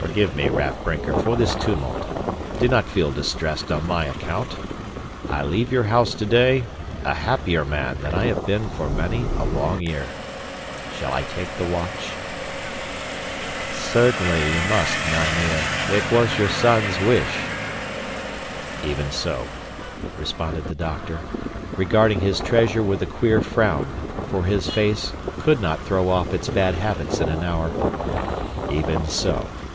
"Forgive me, Raff Brinker, for this tumult. Do not feel distressed on my account. I leave your house today a happier man than I have been for many a long year. Shall I take the watch?" "Certainly, you must, mynheer. It was your son's wish." "Even so," responded the doctor, regarding his treasure with a queer frown, for his face could not throw off its bad habits in an hour, "even so.